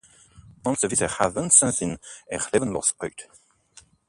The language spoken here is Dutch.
Onze vissershavens zien er levenloos uit.